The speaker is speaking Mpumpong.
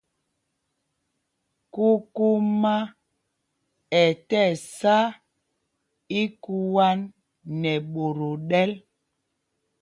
Kūkūmā ɛ tí sá íkuǎ nɛ ɓot o ɗɛ̄l.